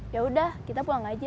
yaudah kita pulang aja